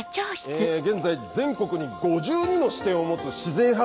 現在全国に５２の支店を持つ自然派